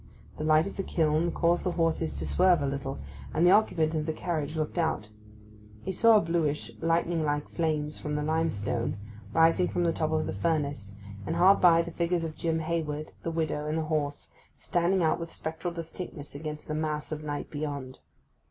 The light of the kiln caused the horses to swerve a little, and the occupant of the carriage looked out. He saw the bluish, lightning like flames from the limestone, rising from the top of the furnace, and hard by the figures of Jim Hayward, the widow, and the horse, standing out with spectral distinctness against the mass of night behind.